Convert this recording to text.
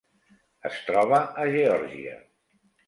Es troba a Geòrgia: